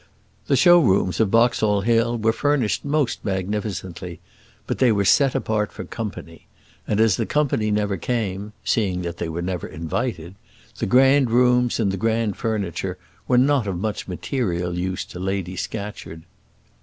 The show rooms of Boxall Hill were furnished most magnificently, but they were set apart for company; and as the company never came seeing that they were never invited the grand rooms and the grand furniture were not of much material use to Lady Scatcherd.